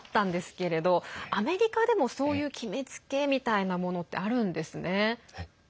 けれどアメリカでも、そういう決めつけみたいなものってあるんですね。